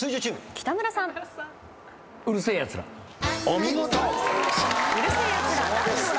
お見事。